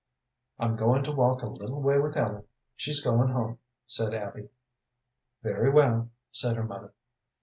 "I'm going to walk a little way with Ellen, she's going home," said Abby. "Very well," said her mother.